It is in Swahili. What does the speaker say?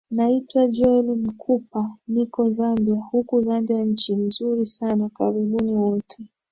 naitwa joel mkupa niko zambia huku zambia nchi nzuri sana karibuni wote